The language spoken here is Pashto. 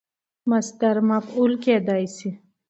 مصدر مفعول کېدای سي.